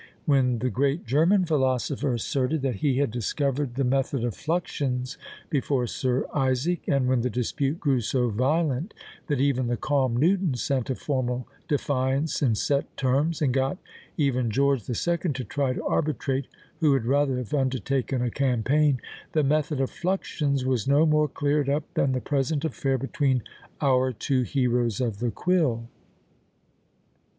When the great German philosopher asserted that he had discovered the method of fluxions before Sir Isaac, and when the dispute grew so violent that even the calm Newton sent a formal defiance in set terms, and got even George the Second to try to arbitrate (who would rather have undertaken a campaign), the method of fluxions was no more cleared up than the present affair between our two heroes of the quill.